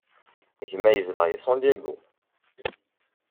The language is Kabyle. Gma yezdeɣ deg San Diego.